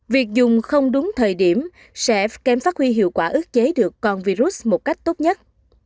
việc dùng không đúng thời điểm sẽ kém phát huy hiệu quả ước chế được con virus một cách tốt nhất